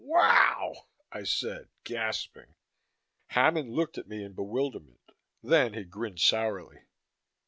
"Wow!" I said, gasping. Hammond looked at me in bewilderment; then he grinned sourly.